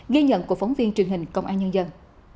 ghi nhận của phóng viên truyền hình công an nhân dân